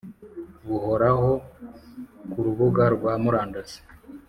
buhoraho ku rubuga rwa murandasi